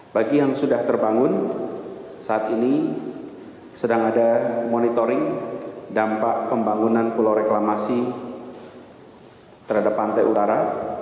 bagi yang sudah terbangun saat ini sedang ada monitoring dampak pembangunan pulau reklamasi terhadap pantai utara